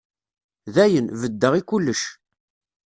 Dayen, beddeɣ i kullec.